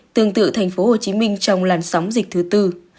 tương tự thành phố hồ chí minh trong làn sóng dịch thứ tư